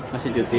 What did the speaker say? masih cuti ya